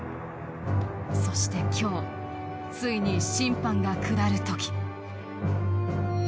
そして今日、ついに審判が下る時。